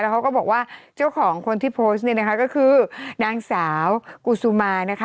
เขาก็บอกว่าเจ้าของคนที่โพสต์เนี่ยนะคะก็คือนางสาวกุซูมานะคะ